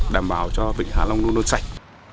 đảm bảo cho vịnh hạ long luôn luôn sạch